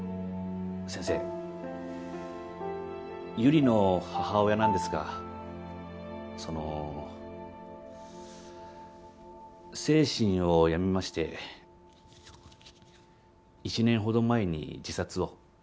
先生悠里の母親なんですがその精神を病みまして１年ほど前に自殺を。